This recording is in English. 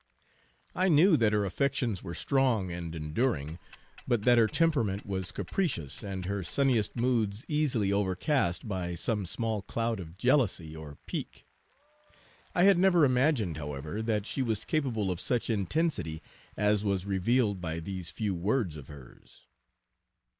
I knew that her affections were strong and enduring, but that her temperament was capricious, and her sunniest moods easily overcast by some small cloud of jealousy or pique. I had never imagined, however, that she was capable of such intensity as was revealed by these few words of hers.